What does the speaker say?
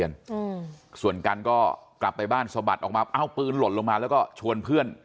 ก็คงจะกลับเข้ามาในพื้นที่โรงเรียนส่วนกันก็กลับไปบ้านสบัดออกมาเอาปืนหล่นลงมาแล้วก็ชวนเพื่อน